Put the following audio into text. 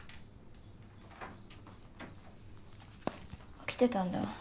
起きてたんだ。